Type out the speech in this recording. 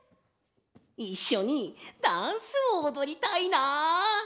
いっしょにダンスをおどりたいな！